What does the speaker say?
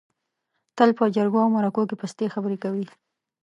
تل په جرګو او مرکو کې پستې خبرې کوي.